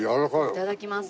いただきます。